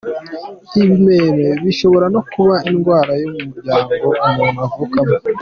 Ibimeme bishobora no kuba indwara yo mu muryango umuntu avukamo.